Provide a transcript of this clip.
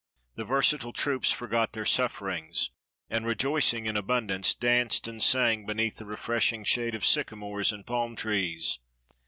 The ver satile troops forgot their sufferings, and, rejoicing in abundance, danced and sang beneath the refreshing shade of sycamores and palm trees.